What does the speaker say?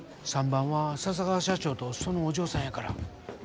３番は笹川社長とそのお嬢さんやから。